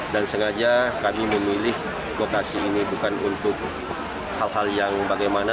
dan sengaja kami memilih lokasi ini bukan untuk hal hal yang bagaimana